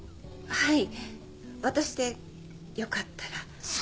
はい？